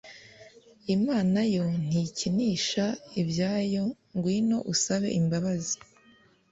Imana yo ntikinisha ibyayo ngwino usabe imbabazi